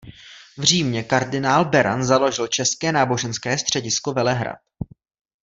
V Římě kardinál Beran založil České náboženské středisko Velehrad.